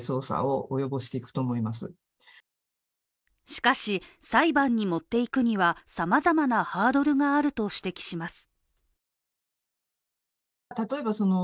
しかし、裁判に持っていくにはさまざまなハードルがあると指摘します。